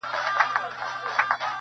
موږ په تيارو كي اوسېدلي يو تيارې خوښـوو~